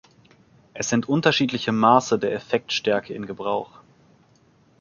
Es sind unterschiedliche Maße der Effektstärke in Gebrauch.